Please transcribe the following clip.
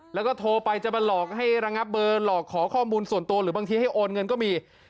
แล้วก็โทรไปจะมาหลอกให้ระงับเบอร์หลอกขอข้อมูลส่วนตัวหรือบางทีให้โอนเงินก็มี